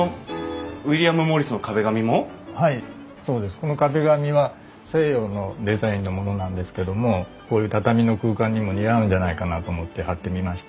この壁紙は西洋のデザインのものなんですけどもこういう畳の空間にも似合うんじゃないかなと思って貼ってみました。